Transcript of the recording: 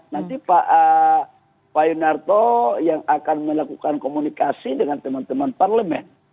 nanti pak yunarto yang akan melakukan komunikasi dengan teman teman parlemen